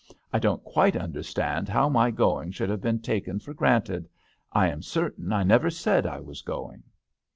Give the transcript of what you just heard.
I don't quite understand how my going should have been taken for granted. I am certain I never said I was going."